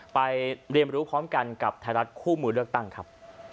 ไปเรียนรู้พร้อมกันกับไทยรัฐคู่มือเลือกตั้งครับ